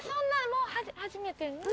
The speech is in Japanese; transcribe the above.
もう初めてよね。